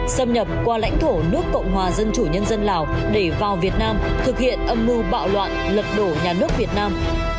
xâm nhập qua lãnh thổ nước cộng hòa dân chủ nhân dân lào để vào việt nam thực hiện âm mưu bạo loạn lật đổ nhà nước việt nam